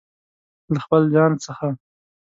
له خپل ځانه څخه